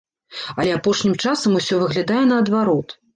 Але апошнім часам усё выглядае наадварот.